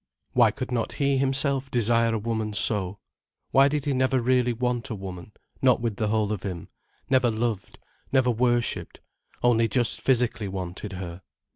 Why could not he himself desire a woman so? Why did he never really want a woman, not with the whole of him: never loved, never worshipped, only just physically wanted her.